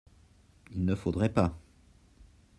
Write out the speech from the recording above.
il ne faudrait pas.